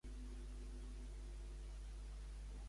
És un acte de frivolitat i irresponsabilitat, carregaran.